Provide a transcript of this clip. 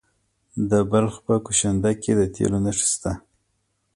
د بلخ په کشنده کې د تیلو نښې شته.